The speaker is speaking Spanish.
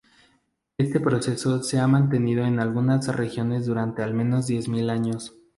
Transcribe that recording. Este proceso se ha mantenido en algunas regiones durante al menos diez mil años.